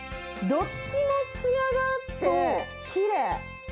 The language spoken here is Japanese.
どっちもツヤがあってきれい。